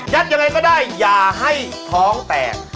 ยังไงก็ได้อย่าให้ท้องแตก